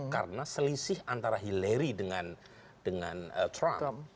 karena selisih antara hillary dengan trump